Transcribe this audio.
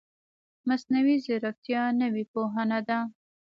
مصنوعي ځیرکتیا نوې پوهنه ده